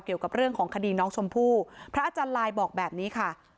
เกี่ยวกับเรื่องของคดีน้องชมพู่พระอาจารย์ลายบอกแบบนี้ค่ะ